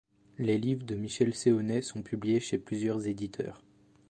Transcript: Les livres de Michel Séonnet sont publiés chez plusieurs éditeurs.